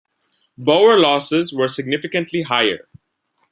Boer losses were significantly higher.